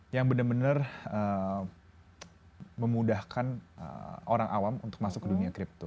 yang benar benar memudahkan orang awam untuk masuk ke dunia crypto